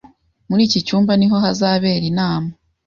Muri iki cyumba niho hazabera inama.